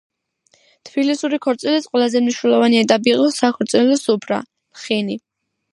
თბილისური ქორწილის ყველაზე მნიშვნელოვანი ეტაპი იყო საქორწილო სუფრა, ლხინი.